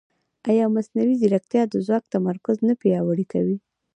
ایا مصنوعي ځیرکتیا د ځواک تمرکز نه پیاوړی کوي؟